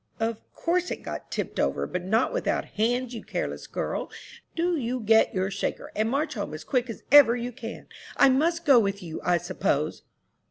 "Of course it got tipped over but not without hands, you careless girl! Do you get your shaker, and march home as quick as ever you can! I must go with you, I suppose."